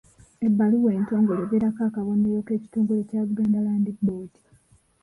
Ebbaluwa entongole ebeerako akabonero k'ekitongole kya Buganda Land Board.